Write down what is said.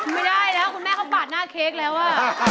ไม่ได้แล้วคุณแม่เขาปาดหน้าเค้กแล้วอ่ะ